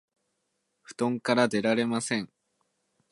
布団から出られません